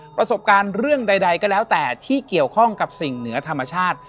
ประสบการณ์เรื่องใดก็แล้วแต่ที่เกี่ยวข้องกับสิ่งเหนือธรรมชาติ